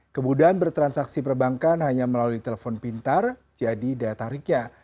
kemudian bertransaksi perbankan hanya melalui telepon pintar jadi daya tariknya